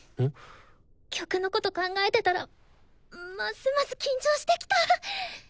曲のこと考えてたらますます緊張してきた。